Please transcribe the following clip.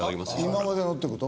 今までのって事？